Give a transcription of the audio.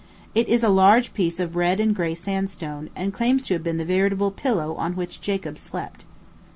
It is a large piece of red and gray sandstone, and claims to have been the veritable pillow on which Jacob slept.